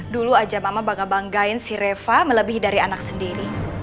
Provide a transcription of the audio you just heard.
dulu aja mama bangga banggain si reva melebihi dari anak sendiri